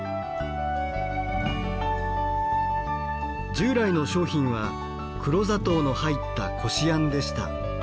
従来の商品は黒砂糖の入ったこしあんでした。